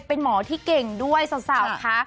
เป็นหมอที่เก่งด้วยสาวค่ะ